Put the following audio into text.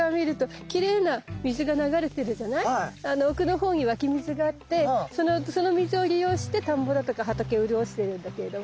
あの奥のほうに湧き水があってその水を利用して田んぼだとか畑を潤してるんだけれども。